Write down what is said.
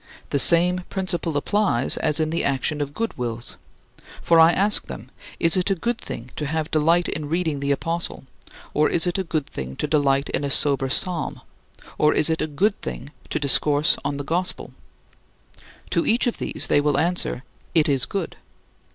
The same principle applies as in the action of good wills. For I ask them, "Is it a good thing to have delight in reading the apostle, or is it a good thing to delight in a sober psalm, or is it a good thing to discourse on the gospel?" To each of these, they will answer, "It is good."